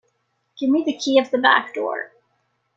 Give me the key of the back door.